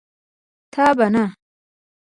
تابانه